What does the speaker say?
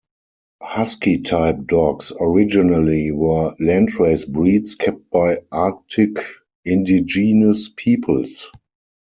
Husky type dogs originally were landrace breeds kept by Arctic indigenous peoples.